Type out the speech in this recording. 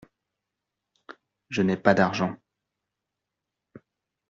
Je n’ai pas d’argent.